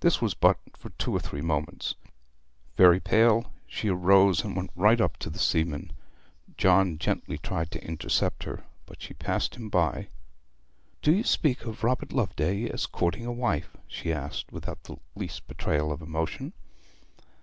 This was but for two or three moments. Very pale, she arose and went right up to the seaman. John gently tried to intercept her, but she passed him by. 'Do you speak of Robert Loveday as courting a wife?' she asked, without the least betrayal of emotion.